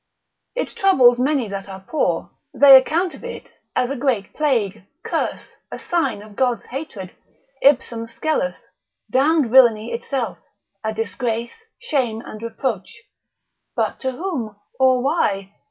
It troubles many that are poor, they account of it as a great plague, curse, a sign of God's hatred, ipsum scelus, damned villainy itself, a disgrace, shame and reproach; but to whom, or why?